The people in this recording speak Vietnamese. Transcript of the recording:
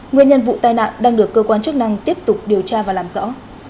nguyên nhân vụ tai nạn đang được cơ quan chức năng tiếp tục điều tra và làm rõ